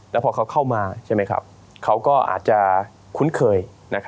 แล้วพอเขาเข้ามาเขาก็อาจคุ้นเคย